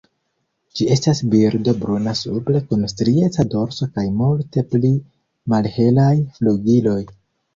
Ĝi estas birdo bruna supre kun strieca dorso kaj multe pli malhelaj flugiloj.